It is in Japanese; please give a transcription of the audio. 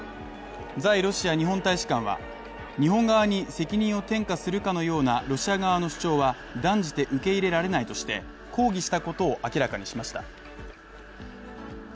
在ロシア日本大使館は日本側に責任を転嫁するかのようなロシア側の主張は断じて受け入れられないとして抗議したことを明らかにしました。